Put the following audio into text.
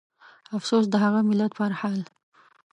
افسوس د هغه ملت پرحال